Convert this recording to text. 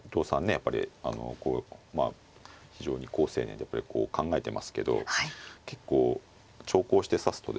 やっぱりまあ非常に好青年でやっぱりこう考えてますけど結構長考して指すとですね